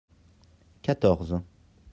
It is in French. quatorze.